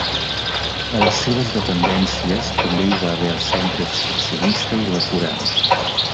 A les seves dependències també hi va haver el centre excursionista i la coral.